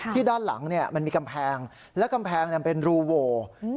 ด้านหลังมันมีกำแพงและกำแพงเป็นรูโว